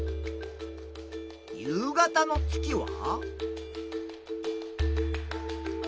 夕方の月は？